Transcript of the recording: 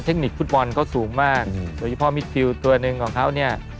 เทคนิคฟุตบอลเขาสูงมากโดยเฉพาะมิดฟิลตัวหนึ่งของเขาเนี่ย